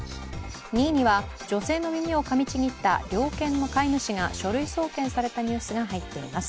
２位には、女性の耳をかみちぎった猟犬の飼い主が書類送検されたニュースが入っています。